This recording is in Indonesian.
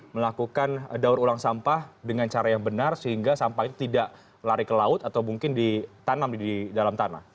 melakukan daur ulang sampah dengan cara yang benar sehingga sampah itu tidak lari ke laut atau mungkin ditanam di dalam tanah